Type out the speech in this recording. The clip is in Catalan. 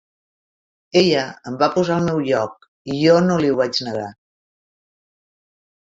Ella em va posar al meu lloc i jo no li ho vaig negar.